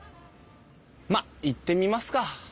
まあ行ってみますか。